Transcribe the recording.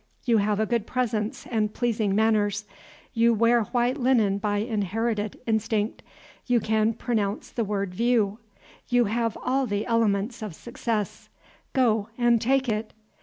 You have a good presence and pleasing manners. You wear white linen by inherited instinct. You can pronounce the word view. You have all the elements of success; go and take it.